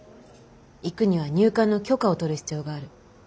行くには入管の許可を取る必要がある。